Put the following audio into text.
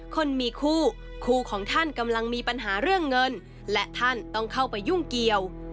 คนมีคู่คู่ของท่านกำลังมีปัญหาเรื่องเงินและท่านต้องเข้าไปยุ่งเกี่ยว